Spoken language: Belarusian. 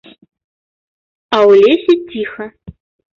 А ў лесе ціха.